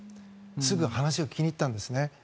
すぐ話を聞きに行ったんですね。